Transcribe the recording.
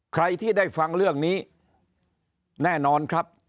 ใครที่ได้ฟังเรื่องนี้แน่นอนครับ